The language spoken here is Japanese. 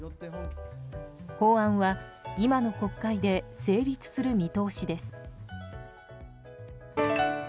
法案は今の国会で成立する見通しです。